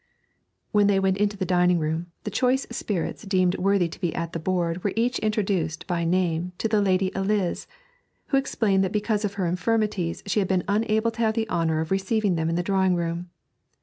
When they went into the dining room, the choice spirits deemed worthy to be at the board were each introduced by name to the Lady Eliz, who explained that because of her infirmities she had been unable to have the honour of receiving them in the drawing room.